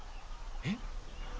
えっ？